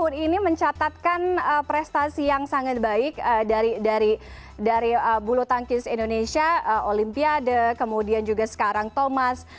pertama kali kita mencetakkan prestasi yang sangat baik dari bulu tangkis indonesia olimpiade kemudian juga sekarang thomas